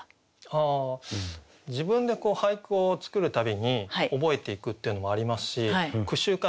あ自分で俳句を作る度に覚えていくっていうのもありますし句集か